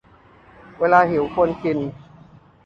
เวลาหิว ควรกิน